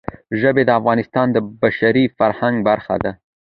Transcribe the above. ژبې د افغانستان د بشري فرهنګ برخه ده.